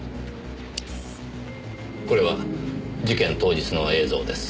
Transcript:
これは事件当日の映像です。